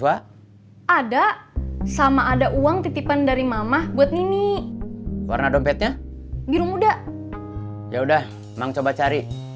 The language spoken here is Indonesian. ya udah emang coba cari